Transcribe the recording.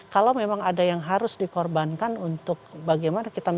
kalau memang ada yang harus dikorbankan untuk membangun desa kita harus siapkan